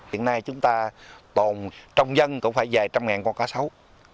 hiện nay chúng ta tồn trong dân cũng phải vài trăm ngàn con cá sấu